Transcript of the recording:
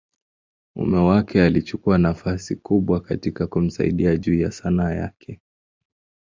mume wake alichukua nafasi kubwa katika kumsaidia juu ya Sanaa yake.